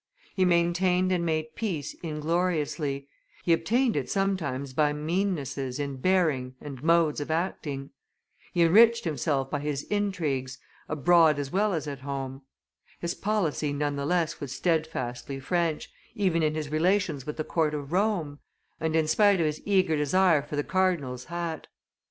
He maintained and made peace ingloriously; he obtained it sometimes by meannesses in bearing and modes of acting; he enriched himself by his intrigues, abroad as well as at home; his policy none the less was steadfastly French, even in his relations with the court of Rome, and in spite of his eager desire for the cardinal's hat.